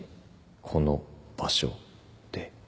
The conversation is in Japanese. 「この」「場所」「で」